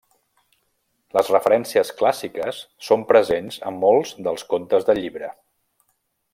Les referències clàssiques són presents a molts dels contes del llibre.